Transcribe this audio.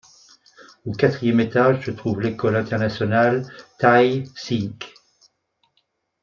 Au quatrième étage se trouve l’École internationale thaïe sikh.